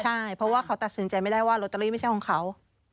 ใช่เพราะว่าเขาตัดสินใจไม่ได้ว่าลอตเตอรี่ไม่ใช่ของเขา